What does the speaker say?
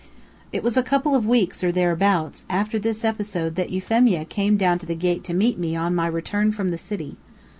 It was a couple of weeks, or thereabouts, after this episode that Euphemia came down to the gate to meet me on my return from the city.